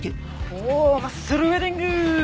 おおマッスル・ウェディング？